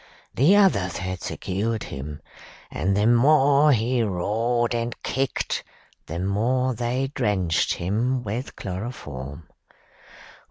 The others had secured him, and the more he roared and kicked the more they drenched him with chloroform.